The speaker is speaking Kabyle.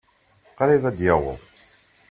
Qṛib ad yaweḍ.